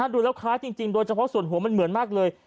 ดูแล้วคล้ายจริงโดยเฉพาะส่วนหัวมันเหมือนมากเลย